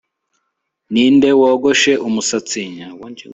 Ninde wogoshe umusatsi